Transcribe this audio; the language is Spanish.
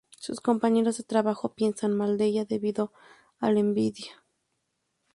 Sus compañeras de trabajo piensan mal de ella debido a la envidia.